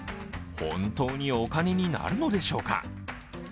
本当にお金になるのでしょうか。